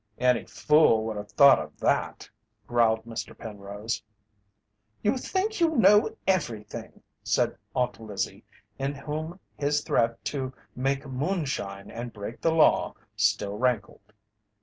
"Any fool would have thought of that," growled Mr. Penrose. "You think you know everything," said Aunt Lizzie, in whom his threat to make moonshine and break the law still rankled.